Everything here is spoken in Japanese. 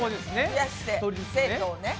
増やして生徒をね。